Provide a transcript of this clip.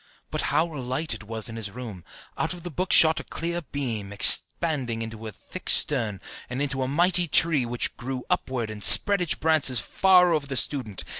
But how light it was in his room! Out of the book shot a clear beam, expanding into a thick stem, and into a mighty tree, which grew upward and spread its branches far over the student.